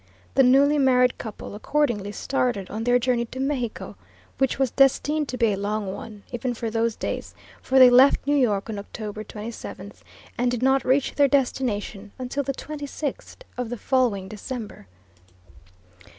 The newly married couple, accordingly, started on their journey to Mexico, which was destined to be a long one, even for those days, for they left New York on October 27th and did not reach their destination until the 26th of the following December.